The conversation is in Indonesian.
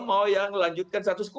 mau yang melanjutkan status quo